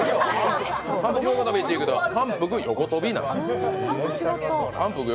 反復横跳びって言うけど反復横跳びなんだ。